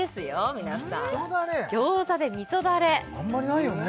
皆さん餃子で味噌だれあんまりないよね？